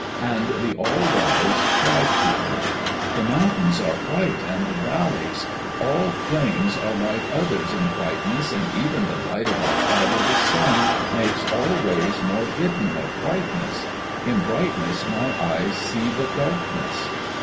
And the All wise cried to her, "The mountains are white and the valleys; all plains are like others in whiteness, and even the light of our Father the Sun, makes all ways more hidden of whiteness! In brightness my eyes see but darkness."